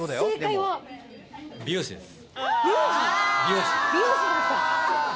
美容師です。